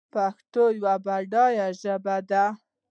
پښتو یوه بډایه ژبه ده.